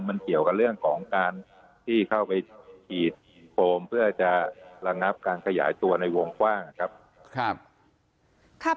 มันเกี่ยวกับเรื่องของการที่เข้าไปฉีดโฟมเพื่อจะระงับการขยายตัวในวงกว้างนะครับ